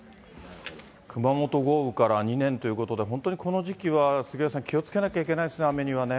熊本豪雨から２年ということで、本当にこの時期は、杉上さん、気をつけなきゃいけないですね、雨にはね。